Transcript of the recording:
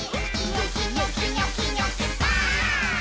「ニョキニョキニョキニョキバーン！」